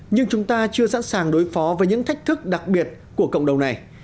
nhưng chúng ta chưa sẵn sàng đối phó với những thách thức đặc biệt của cộng đồng này